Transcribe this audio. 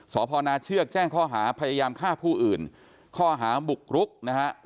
สพนาเชือกแจ้งข้อหาพยายามฆ่าผู้อื่นข้อหาบุกรุกนะฮะ